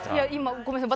ごめんなさい。